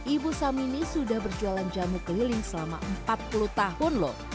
ibu samini sudah berjualan jamu keliling selama empat puluh tahun loh